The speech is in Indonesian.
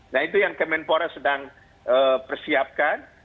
nah itu yang kemenpora sedang persiapkan